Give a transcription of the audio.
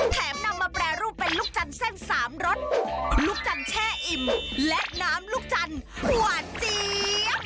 แถมนำมาแปรรูปเป็นลูกจันทร์เส้นสามรสลูกจันทร์แช่อิ่มและน้ำลูกจันทร์หวานเจี๊ยบ